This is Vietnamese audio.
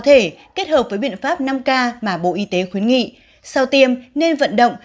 thể kết hợp với biện pháp năm k mà bộ y tế khuyến nghị sau tiêm nên vận động